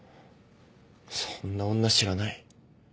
そんな女知らない。